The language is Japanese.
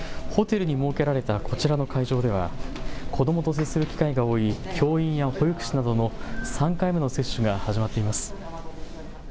ホテルに設けられたこちらの会場では子どもと接する機会が多い教員や保育士などの３回目の接種が始まっています。